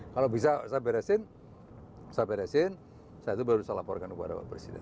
kalau bisa saya beresin saya itu baru bisa laporkan kepada pak presiden